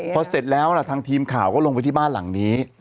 พอเสร็จแล้วทางทีมข่าวก็ลงไปที่บ้านหลังนี้